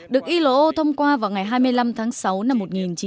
được ilo thông qua vào ngày hai mươi năm tháng sáu năm một nghìn chín trăm năm mươi bảy